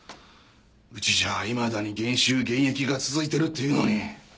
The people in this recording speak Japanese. うちじゃいまだに減収減益が続いてるっていうのに。